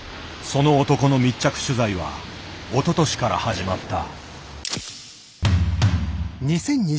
その男の密着取材はおととしから始まった。